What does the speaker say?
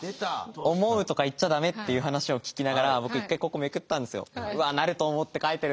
「思う」とか言っちゃ駄目っていう話を聞きながら僕１回ここめくったんですよ。